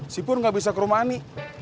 sipurno gak bisa ke rumah ani